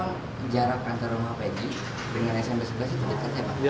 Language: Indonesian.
berarti emang jarak antar rumah pak edi dengan smp sebelas itu dekat ya pak